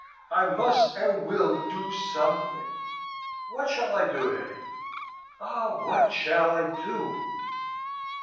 I must and will do something! What shall I do, Hetty? Ah! what shall I do?"